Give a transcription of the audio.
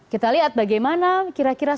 kita lihat bagaimana kira kira